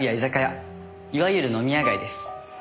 いわゆる飲み屋街です。